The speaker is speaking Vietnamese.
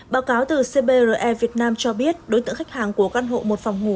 báo cáo từ cbre việt nam cho biết đối tượng khách hàng của căn hộ một phòng ngủ